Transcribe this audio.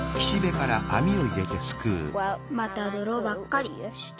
またドロばっかり。